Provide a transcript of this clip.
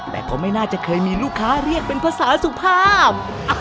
แต่ก็ไม่น่าจะเคยมีลูกค้าเรียกเป็นภาษาสุภาพ